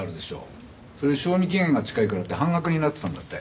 それ賞味期限が近いからって半額になってたんだって。